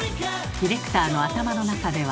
ディレクターの頭の中では。